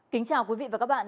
kính chào quý vị và các bạn